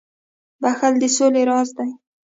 • بخښل د سولي راز دی.